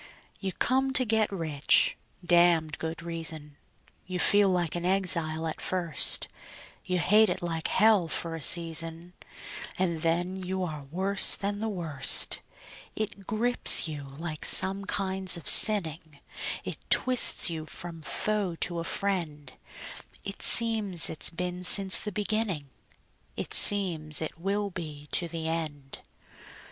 You come to get rich (damned good reason); You feel like an exile at first; You hate it like hell for a season, And then you are worse than the worst. It grips you like some kinds of sinning; It twists you from foe to a friend; It seems it's been since the beginning; It seems it will be to the end.